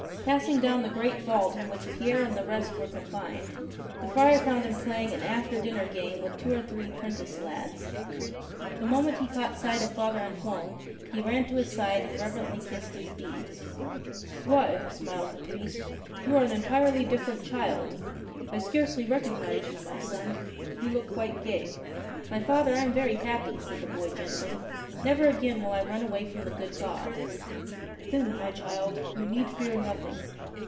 Passing down the great vault in which Pierre and the rest were confined, the friar found him playing an after dinner game with two or three 'prentice lads. The moment 43 he caught sight of Father Antoine he ran to his side and reverently kissed his beads. "Why," smiled the priest, ''you are an entirely different child. I scarcely recognize you, my son. You look quite gay." "My Father, I am very happy," said the boy gently. "Never again will I run away from the good God." "Then, my child, you need fear nothing.